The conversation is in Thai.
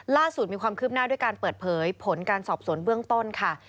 ล่าสุดมีความคืบหน้าด้วยการเปิดเผยผลการสอบสวนเบื้องต้นค่ะ